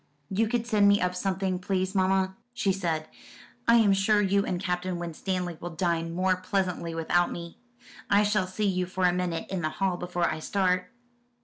"You could send me up something, please, mamma," she said. "I am sure you and Captain Winstanley will dine more pleasantly without me. I shall see you for a minute in the hall, before I start."